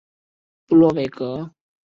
佐洛韦格。